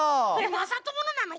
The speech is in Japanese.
まさとものなの？